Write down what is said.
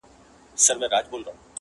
یو مُلا وو یوه ورځ سیند ته لوېدلی،